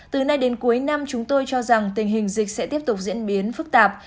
từ nay đến cuối năm chúng tôi cho rằng tình hình dịch sẽ tiếp tục diễn biến phức tạp